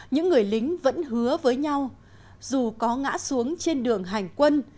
những người lính vẫn hứa với nhau dù có ngã xuống trên đường hành quân